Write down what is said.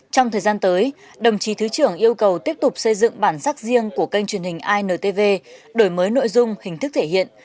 trong thời gian tới đồng chí thứ trưởng yêu cầu tiếp tục xây dựng bản sắc riêng của kênh truyền hình intv đổi mới nội dung hình thức thể hiện